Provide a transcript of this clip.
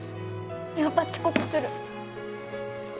やばっ遅刻する！